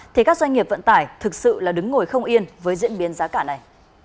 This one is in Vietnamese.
thì các doanh nghiệp vận tải thực sự là đứng ngồi không yên với diễn biến giá cả này